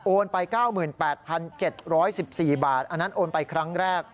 ไป๙๘๗๑๔บาทอันนั้นโอนไปครั้งแรก